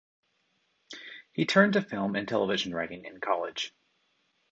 He turned to film and television writing in college.